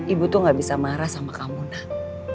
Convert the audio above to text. ibu tuh gak bisa marah sama kamu nak